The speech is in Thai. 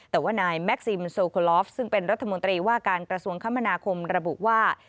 แต่ว่านายแม็กซีมันโซโคลอฟซึ่งเป็นรัฐมนตรีว่าการกระทรวงคมนาคมระบุว่า